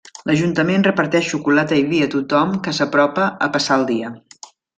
L'ajuntament reparteix xocolata i vi a tothom que s'apropa a passar el dia.